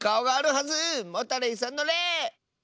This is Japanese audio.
モタレイさんの「レ」！